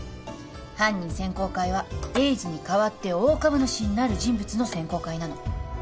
犯人選考会は栄治に代わって大株主になる人物の選考会なの